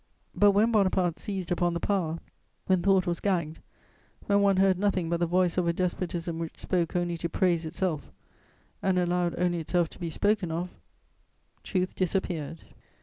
But when Bonaparte seized upon the power, when thought was gagged, when one heard nothing but the voice of a despotism which spoke only to praise itself and allowed only itself to be spoken of, truth disappeared.